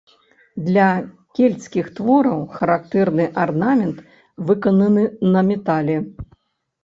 Для кельцкіх твораў характэрны арнамент, выкананы на метале.